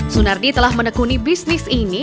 sunardi telah menekuni bisnis ini